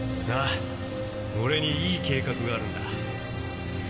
なあ俺にいい計画があるんだ。